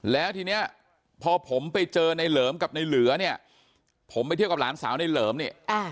แล้วทีนี้พอผมไปเจอในเหลิมกับในเหลือเนี่ยผมไปเที่ยวกับหลานสาวในเหลิมเนี่ย